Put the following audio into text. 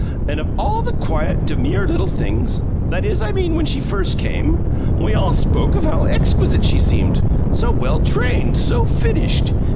And of all the quiet, demur little things that is, I mean, when she first came. We all spoke of how exquisite she seemed so well trained, so finished!